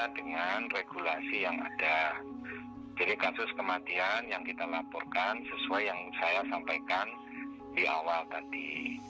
dengan regulasi yang ada jadi kasus kematian yang kita laporkan sesuai yang saya sampaikan di awal tadi